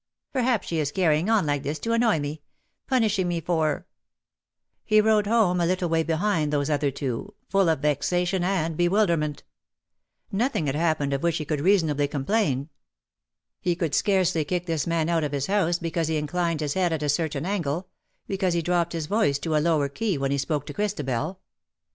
'' Perhaps she is carrying on like this to annoy me — punishing me for '^ He rode home a little way behind those other two, full of vexation and bewilderment. Nothing had happened of which he could reasonably com 134 ^^ GAI DONC, LA VOYAGEUSE/^ plain. He could scarcely kick tins man out of his house because he inclined his head at a certain angle — because he dropped his voice to a lower key when he spoke to Christabel.